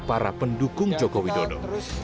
para pendukung jokowi dodo